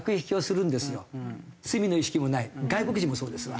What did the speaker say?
罪の意識もない外国人もそうですが。